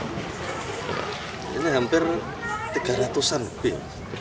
ini hampir tiga ratus an bin